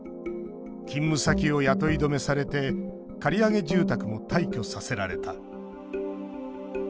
「勤務先を雇い止めされて借り上げ住宅も退去させられた」